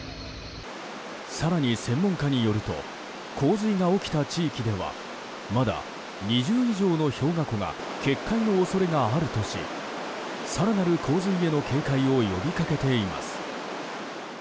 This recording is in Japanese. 更に専門家によると洪水が起きた地域ではまだ２０以上の氷河湖が決壊の恐れがあるとし更なる洪水への警戒を呼びかけています。